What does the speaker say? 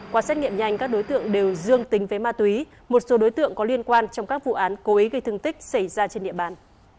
qua xét nghiệm nhanh các đối tượng đều dương tính với ma túy một số đối tượng có liên quan trong các vụ án cố ý gây thương tích xảy ra trên địa bàn